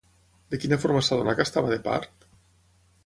De quina forma s'adonà que estava de part?